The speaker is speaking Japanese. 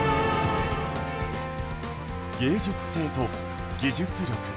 芸術性と技術力。